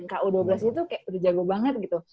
ku dua belas itu kayak udah jago banget gitu